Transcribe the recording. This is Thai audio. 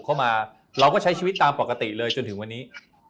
เข้ามาเราก็ใช้ชีวิตตามปกติเลยจนถึงวันนี้